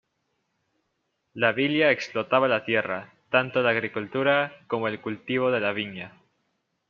La villa explotaba la tierra, tanto la agricultura como el cultivo de la viña.